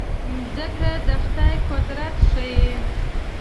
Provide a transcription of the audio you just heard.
مځکه د خدای قدرت ښيي.